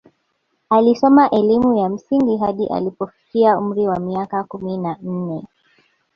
Alisoma elimu ya msingi hadi alipofikia umri wa miaka kumi na nne